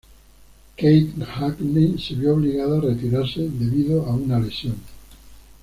Keith Hackney se vio obligado a retirarse debido a una lesión.